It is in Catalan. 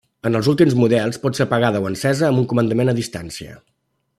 En els últims models pot ser apagada o encesa amb un comandament a distància.